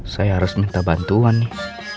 saya harus minta bantuan nih